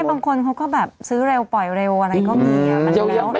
บางคนเขาก็แบบซื้อเร็วปล่อยเร็วอะไรก็มี